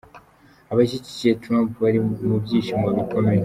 Abashyigikiye Trump bari mu byishimo bikomeye.